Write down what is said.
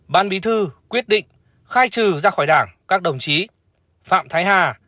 ban bí thư quyết định khai trừ ra khỏi đảng các đồng chí phạm thái hà